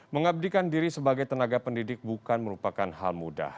mengabdikan diri sebagai tenaga pendidik bukan merupakan hal mudah